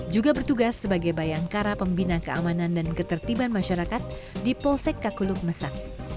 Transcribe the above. juga bertugas sebagai bayangkara pembina keamanan dan ketertiban masyarakat di polsek kakuluk mesang